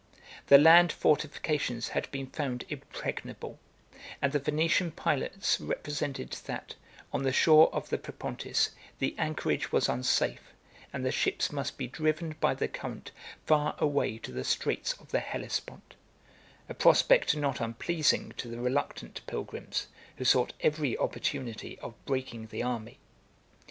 The land fortifications had been found impregnable; and the Venetian pilots represented, that, on the shore of the Propontis, the anchorage was unsafe, and the ships must be driven by the current far away to the straits of the Hellespont; a prospect not unpleasing to the reluctant pilgrims, who sought every opportunity of breaking the army.